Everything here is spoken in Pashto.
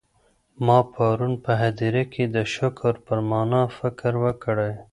ما پرون په هدیره کي د شکر پر مانا فکر وکړی.